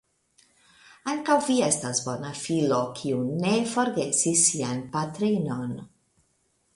Ankaŭ vi estas bona filo, kiu ne forgesis sian patrinon.